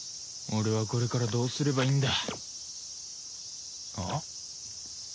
俺はこれからどうすればいいんだ。ああ？